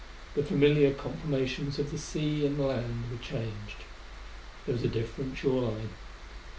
The familiar conformations of the sea and the land were changed. There was a different shore line.